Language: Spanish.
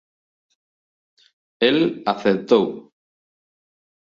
Él acepta.